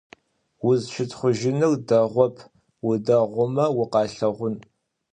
Узщытхъужьыныр дэгъоп, удэгъумэ укъалъэгъун.